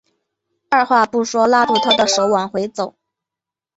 二话不说拉住她的手往回走